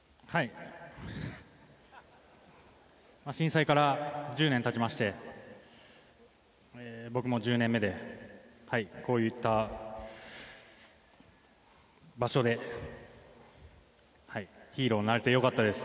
震災から１０年たちまして僕も１０年目でこういった場所でヒーローになれてよかったです。